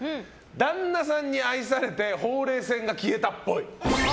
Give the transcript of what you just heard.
旦那さんに愛されてほうれい線が消えたっぽい。